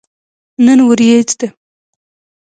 نن وريځ ده